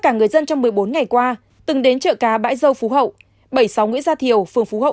cả người dân trong một mươi bốn ngày qua từng đến chợ cá bãi dâu phú hậu bảy mươi sáu nguyễn gia thiều phường phú hậu